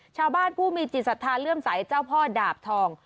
ชาวบ้านผู้มีจิตศรัทธาเลื่อมใสเจ้าพ่อดาบทอง